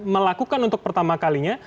melakukan untuk pertama kalinya